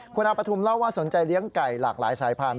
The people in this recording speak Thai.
คุณอาปฐุมเล่าว่าสนใจเลี้ยงไก่หลากหลายสายพันธุ